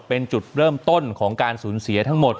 เป็นจุดเริ่มต้นของการสูญเสียทั้งหมด